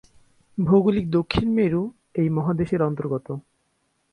ভৌগোলিক দক্ষিণ মেরু এই মহাদেশের অন্তর্গত।